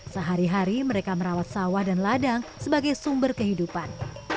sehari hari mereka merawat sawah dan ladang sebagai sumber kehidupan